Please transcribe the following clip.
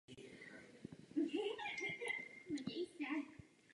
Během shromáždění v Seneca Falls pomohla sepsat "Deklaraci citů".